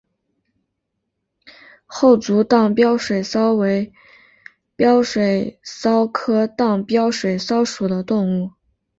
厚足荡镖水蚤为镖水蚤科荡镖水蚤属的动物。